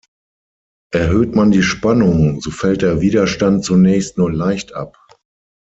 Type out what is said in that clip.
Erhöht man die Spannung, so fällt der Widerstand zunächst nur leicht ab.